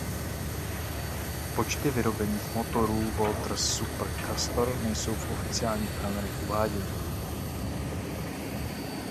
Počty vyrobených motorů Walter Super Castor nejsou v oficiálních pramenech uváděny.